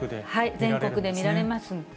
全国で見られます。